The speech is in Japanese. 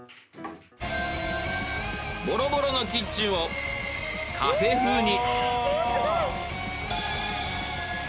ボロボロのキッチンをカフェ風に。